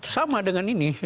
sama dengan ini